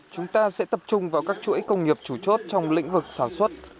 chúng ta sẽ tập trung vào các chuỗi công nghiệp chủ chốt trong lĩnh vực sản xuất